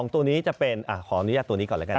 ตัวนี้จะเป็นขออนุญาตตัวนี้ก่อนแล้วกัน